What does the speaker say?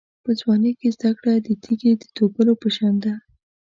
په ځوانۍ کې زده کړه د تېږې د توږلو په شان ده.